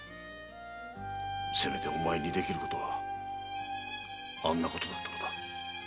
せめてお前にできることはあんなことだったのだ。